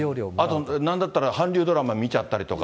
あとなんだったりは、韓流ドラマ見ちゃったりとか。